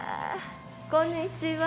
こんにちは。